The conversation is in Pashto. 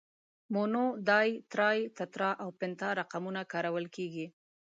مونو، ډای، ترای، تترا او پنتا رقمونه کارول کیږي.